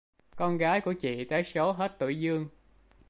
Con gái của chị tới số hết tuổi dương